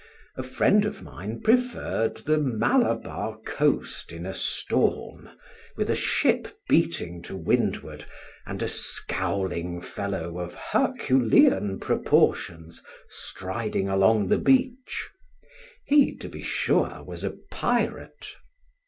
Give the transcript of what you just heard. A friend of mine preferred the Malabar coast in a storm, with a ship beating to windward, and a scowling fellow of Herculean proportions striding along the beach; he, to be sure, was a pirate.